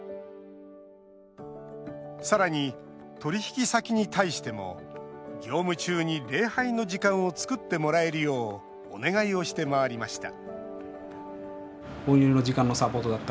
さらに、取引先に対しても業務中に礼拝の時間を作ってもらえるようお願いをして回りました